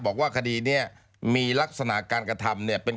บอกว่าคดีนี้มีลักษณะการกระทำเนี่ย